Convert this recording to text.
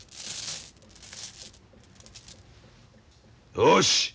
よし！